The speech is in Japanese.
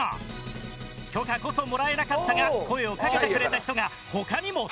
許可こそもらえなかったが声をかけてくれた人が他にも存在。